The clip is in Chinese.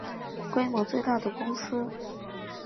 规模最大的公司